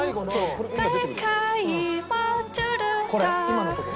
今のとこ。